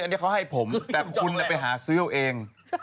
อันนี้เขาให้ผมแต่คุณไปหาซื้อเอาเอง